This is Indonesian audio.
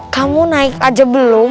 kamu naik aja belum